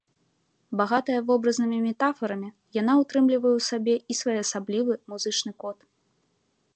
Багатая вобразнымі метафарамі, яна ўтрымлівае ў сабе і своеасаблівы музычны код.